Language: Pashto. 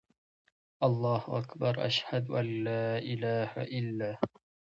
اللهاکبر، اشهدان الاله االاهلل